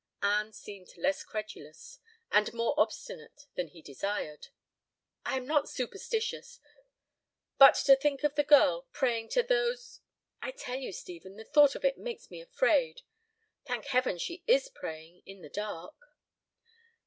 Anne seemed less credulous—and more obstinate than he desired. "I am not superstitious, but to think of the girl praying to those—I tell you, Stephen, the thought of it makes me afraid. Thank Heaven, she is praying—in the dark."